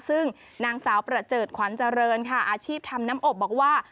ซึ่งนางสาวประเจิดขวัญเจริญค่ะอาชีพทำน้ำอบบอกว่า